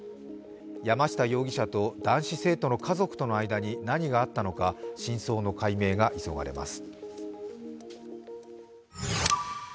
山下容疑者と男子生徒の家族との間に何があったのか真相の解明が急がれます。